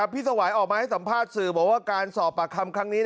สวายออกมาให้สัมภาษณ์สื่อบอกว่าการสอบปากคำครั้งนี้